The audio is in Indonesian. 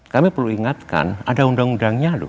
kami perlu ingatkan ada undang undangnya loh